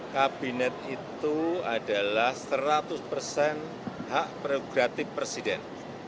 kabinet itu adalah seratus persen hak prerogatif presiden